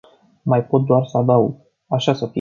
Mai pot doar să adaug, așa să fie!